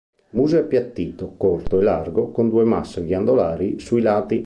Il muso è appiattito, corto e largo, con due masse ghiandolari sui lati.